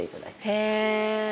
へえ。